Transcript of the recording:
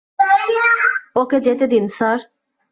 ওকে যেতে দিন, স্যার।